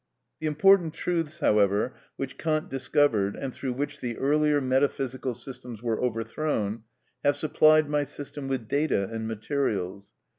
The important truths, however, which Kant discovered, and through which the earlier metaphysical systems were overthrown, have supplied my system with data and materials.